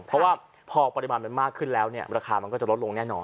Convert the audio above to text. เพราะว่าพอปริมาณมันมากขึ้นแล้วเนี่ยราคามันก็จะลดลงแน่นอน